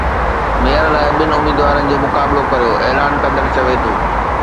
mayor لاءِ ٻن اميدوارن جو مقابلو ڪريو اعلان ڪندڙ چوي ٿو